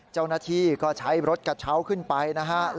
เจ้านาธิก็ใช้รถกระเช้าขึ้นไปนะครับ